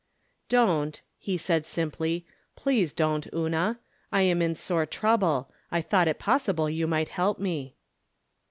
" Don't," he said, simply ;" please don't, Una ; I am in sore trouble ; I thought it possible you might help me."